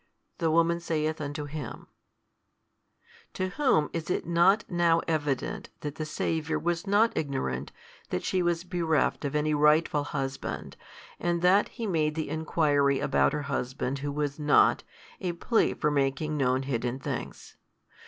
The woman saith unto Him, To whom is it not now evident that the Saviour was not ignorant that she was bereft of any rightful husband and that He made the enquiry about her husband who was not, a plea for making known hidden things?